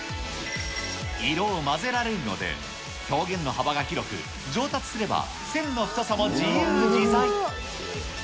色を混ぜられるので、表現の幅が広く、上達すれば線の太さも自由自在。